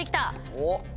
おっ！